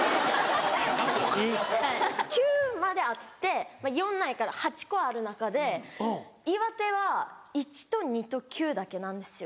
九まであって四ないから８個ある中で岩手は一と二と九だけなんですよ。